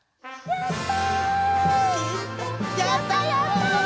やった！